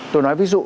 tôi nói ví dụ